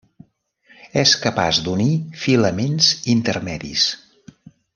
És capaç d'unir filaments intermedis.